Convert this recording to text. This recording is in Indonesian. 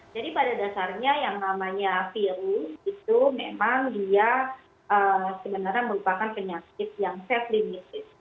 jadi pada dasarnya yang namanya virus itu memang dia sebenarnya merupakan penyakit yang safe limited